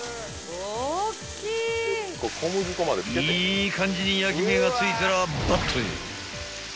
［いい感じに焼き目が付いたらバットへ］